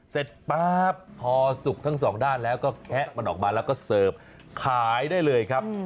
เสร็จป้าบพอสุกทั้งสองด้านแล้วก็แคะมันออกมาแล้วก็ได้เลยครับ